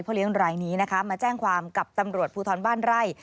เลี้ยงรายนี้นะคะมาแจ้งความกับตำรวจภูทรบ้านไร่